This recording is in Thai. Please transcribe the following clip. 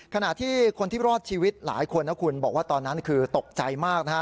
ขณะที่คนที่รอดชีวิตหลายคนนะคุณบอกว่าตอนนั้นคือตกใจมากนะฮะ